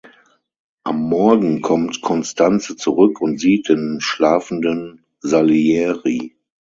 Am Morgen kommt Constanze zurück und sieht den schlafenden Salieri.